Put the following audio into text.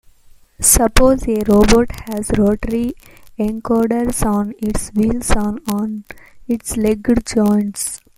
Suppose a robot has rotary encoders on its wheels or on its legged joints.